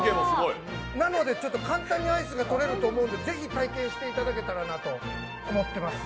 なので簡単にアイスが取れると思うんで、ぜひ体験していただけたらと思ってます。